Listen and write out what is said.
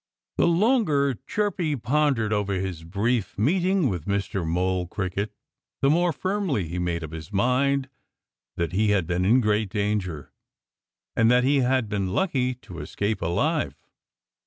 The longer Chirpy pondered over his brief meeting with Mr. Mole Cricket, the more firmly he made up his mind that he had been in great danger and that he had been lucky to escape alive.